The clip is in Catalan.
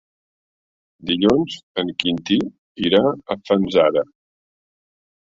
Dilluns en Quintí irà a Fanzara.